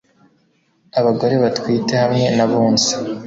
abagore batwite hamwe n'abonsa